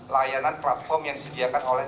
layanan platform yang disediakan oleh